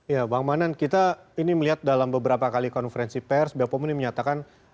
ya bang manan kita ini melihat dalam beberapa kali konferensi pers bepom ini menyatakan